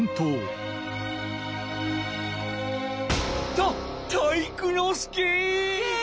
た体育ノ介！